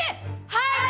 はい！